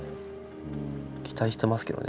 期待してますけどね。